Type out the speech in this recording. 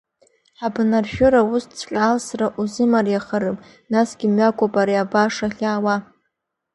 Ҳабнаршәыра усҵәҟьа алсра рзымариахарым, насгьы мҩакоуп ари абааш ахь иаауа.